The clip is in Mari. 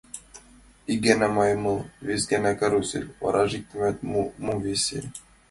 Ик гана маймыл, вес гана карусель, вара иктаж-мо весе.